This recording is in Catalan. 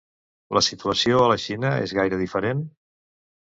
La situació a la Xina és gaire diferent?